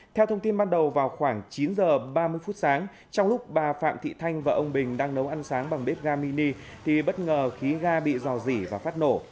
theo thông tin ban đầu vào khoảng chín h ba mươi phút sáng trong lúc bà phạm thị thanh và ông bình đang nấu ăn sáng bằng bếp ga mini thì bất ngờ khí ga bị dò dỉ và phát nổ